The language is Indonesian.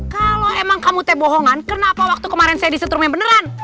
kalau emang kamu teh bohongan kenapa waktu kemarin saya di sutrum yang beneran